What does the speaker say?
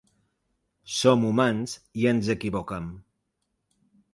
Som humans i ens equivoquem.